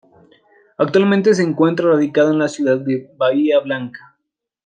Actualmente se encuentra radicado en la ciudad de Bahía Blanca.